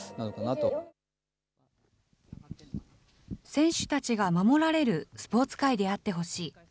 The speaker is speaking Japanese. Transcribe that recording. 選手たちが守られるスポーツ界であってほしい。